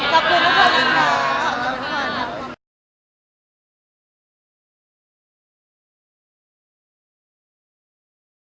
ขอบคุณทุกคนมากมาก